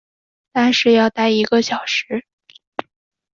但是要待一个小时